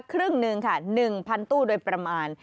ครึ่งหนึ่งค่ะ๑๐๐ตู้โดยประมาณ